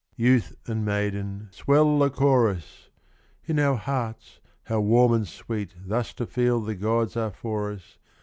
Youth and maiden, swell the chorus 1 In our hearts how warm and sweet Thus to feel the gods are for us.